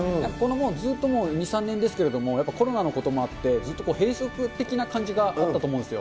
ずっともう、２、３年ですけれども、やっぱりコロナのこともあって、ずっと閉塞的な感じがあったと思うんですよ。